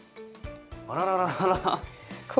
あららららら。